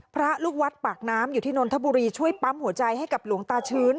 พระลูกวัดปากน้ำอยู่ที่นนทบุรีช่วยปั๊มหัวใจให้กับหลวงตาชื้น